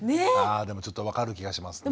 あでもちょっと分かる気がしますね。